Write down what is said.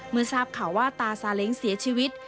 เมื่อทราบข่าวว่าตาซาเล้งเสียชีวิต